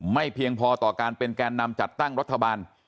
เพียงพอต่อการเป็นแกนนำจัดตั้งรัฐบาล